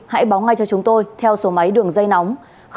hãy báo ngay cho chúng tôi theo số máy đường dây nóng